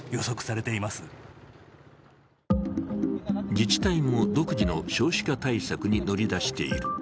自治体も独自の少子化対策に乗り出している。